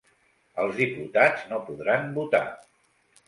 Els diputats no podran votar.